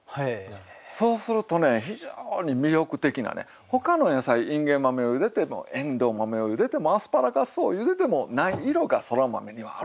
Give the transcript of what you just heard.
そうするとね非常に魅力的なほかの野菜いんげん豆をゆでてもえんどう豆をゆでてもアスパラガスをゆでてもない色がそら豆にはあるんですよ。